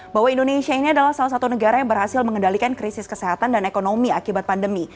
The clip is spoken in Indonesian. bahwa indonesia ini adalah salah satu negara yang berhasil mengendalikan krisis kesehatan dan ekonomi akibat pandemi